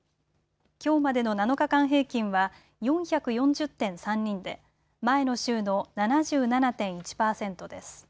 きょうまでの７日間平均は４４０．３人で前の週の７７．１％です。